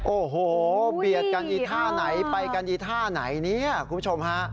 โอ้โหเบียดกันอีท่าไหนไปกันอีท่าไหนเนี่ยคุณผู้ชมฮะ